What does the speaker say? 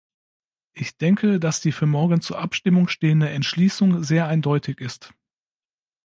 Ich denke, dass die für morgen zur Abstimmung stehende Entschließung sehr eindeutig ist.